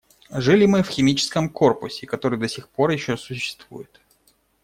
Жили мы в химическом корпусе, который до сих пор еще существует.